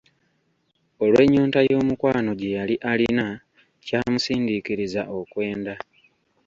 Olw'ennyonta y'omukwano gye yali alina, kyamusindiikiriza okwenda.